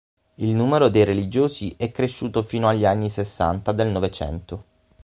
Il numero dei religiosi è cresciuto fino agli anni sessanta del Novecento.